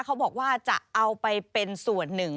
เขาบอกว่าจะเอาไปเป็นส่วนหนึ่ง